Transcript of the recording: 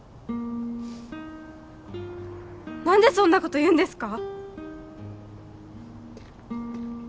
何でそんなこと言うんですか？